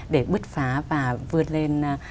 để bứt phá và vượt lên